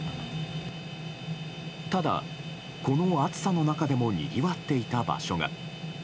ただ、この暑さの中でもにぎわっていた場所が。